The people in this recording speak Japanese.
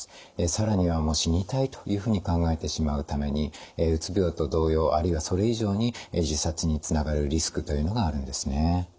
更には死にたいというふうに考えてしまうためにうつ病と同様あるいはそれ以上に自殺につながるリスクというのがあるんですね。